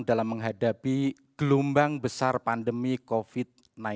dalam menghadapi gelombang besar pandemi covid sembilan belas